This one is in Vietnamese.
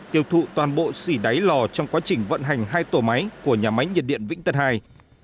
tiêu thụ toàn bộ xỉ đáy lò trong quá trình vận hành hai tổ máy của nhà máy nhiệt điện vĩnh tân i